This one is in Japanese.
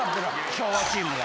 昭和チームが。